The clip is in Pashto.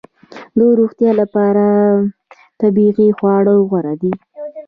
د روغتیا لپاره طبیعي خواړه غوره دي